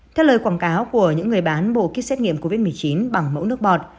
theo lời quảng cáo của những người bán bộ kit xét nghiệm covid một mươi chín bằng mẫu nước bọt